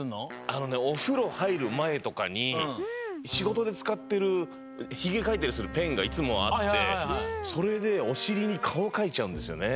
あのねおふろはいるまえとかにしごとでつかってるひげかいたりするペンがいつもあってそれでおしりにかおかいちゃうんですよね。